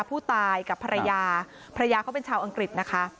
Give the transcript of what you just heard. ผู้ตายกับภรรยาภรรยาเขาเป็นชาวอังกฤษนะคะ